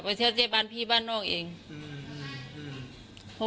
ไปเที่ยวที่บ้านพี่บ้านนอกเองอืมอืม